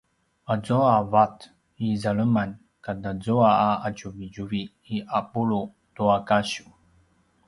azua a vat i zaleman katazua a ’atjuvitjuvi i ’apulu tua kasiv